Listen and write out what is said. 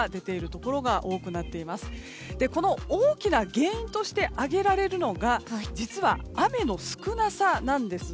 この大きな原因として挙げられるのが実は、雨の少なさなんです。